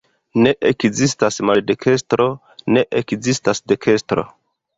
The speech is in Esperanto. Ne ekzistas maldekstro, ne ekzistas dekstro.